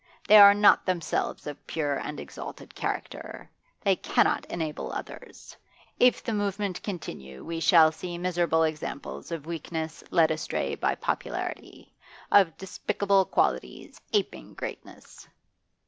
They are not themselves of pure and exalted character; they cannot ennoble others. If the movement continue we shall see miserable examples of weakness led astray by popularity, of despicable qualities aping greatness.